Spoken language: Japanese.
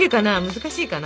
難しいかな？